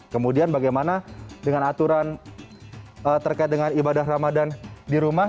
kemudian bagaimana dengan aturan terkait dengan ibadah ramadan di rumah